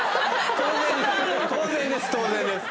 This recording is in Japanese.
当然です当然です